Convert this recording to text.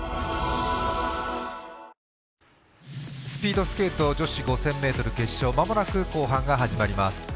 スピードスケート女子５０００ｍ決勝まもなく後半が始まります。